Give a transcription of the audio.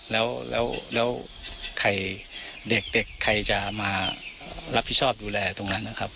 แล้วใครเด็กใครจะมารับผิดชอบดูแลตรงนั้นนะครับ